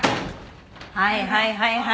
はいはいはいはい。